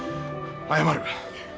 謝る。